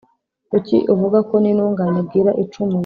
Kuki uvuga ko n’inungane bwira icuumuye